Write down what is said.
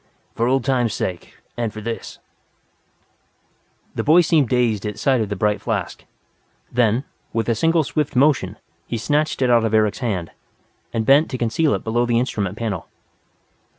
"For old time's sake, and for this " The boy seemed dazed at sight of the bright flask. Then, with a single swift motion, he snatched it out of Eric's hand, and bent to conceal it below his instrument panel.